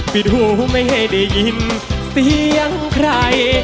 ปิดหูไม่ให้ได้ยินเสียงใคร